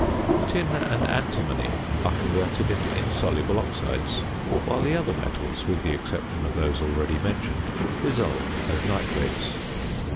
Tin and antimony are converted into insoluble oxides, while the other metals (with the exception of those already mentioned) dissolve as nitrates.